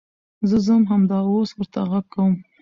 زه ځم همدا اوس ورته غږ کوم .